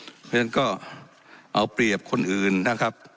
เพราะฉะนั้นก็เอาเปรียบคนอื่นนะครับ